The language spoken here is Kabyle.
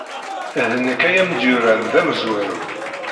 D nekk ay am-d-yuran d amezwaru.